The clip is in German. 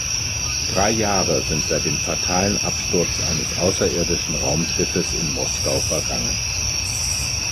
Drei Jahre sind seit dem fatalen Absturz eines außerirdischen Raumschiffes in Moskau vergangen.